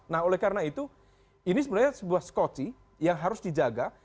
nah oleh karena itu ini sebenarnya sebuah skoci yang harus dijaga